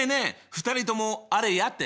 ２人ともあれやって。